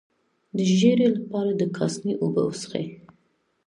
د ژیړي لپاره د کاسني اوبه وڅښئ